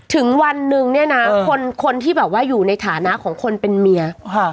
ถึงวันนึงคนที่แบบว่าอยู่ในฐานะของคนเป็นเมีย